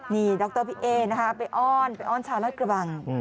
นี่ดรภิเกษน่ะฮะไปอ้อนชาราชกระบัง